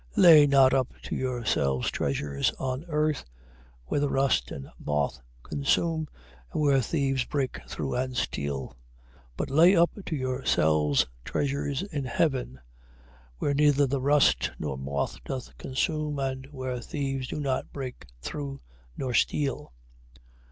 6:19. Lay not up to yourselves treasures on earth: where the rust, and moth consume, and where thieves break through, and steal. 6:20. But lay up to yourselves treasures in heaven: where neither the rust nor moth doth consume, and where thieves do not break through, nor steal.